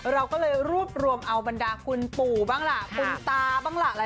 เราก็เลยรวบรวมเอาบรรดาคุณปู่บ้างล่ะคุณตาบ้างล่ะ